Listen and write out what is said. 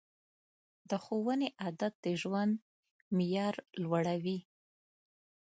د ښوونې عادت د ژوند معیار لوړوي.